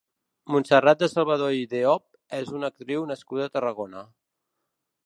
Montserrat de Salvador i Deop és una actriu nascuda a Tarragona.